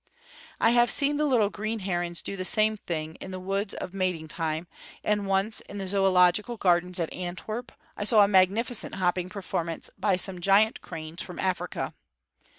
I have seen little green herons do the same thing in the woods at mating time; and once, in the Zoölogical Gardens at Antwerp, I saw a magnificent hopping performance by some giant cranes from Africa.